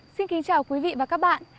xin kính chào quý vị và các bạn